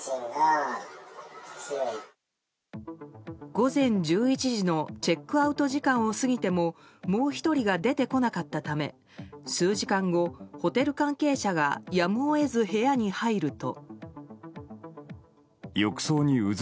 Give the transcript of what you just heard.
午前１１時のチェックアウト時間を過ぎてももう１人が出てこなかったため数時間後、ホテル関係者がやむを得ず部屋に入ると。